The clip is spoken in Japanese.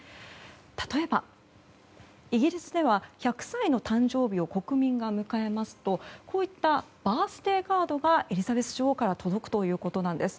例えば、イギリスでは１００歳の誕生日を国民が迎えますとこういったバースデーカードがエリザベス女王から届くということなんです。